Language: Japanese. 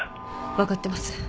分かってます。